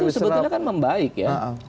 kalau itu sebetulnya kan membaik ya